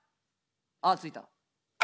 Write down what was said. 「ああついた」。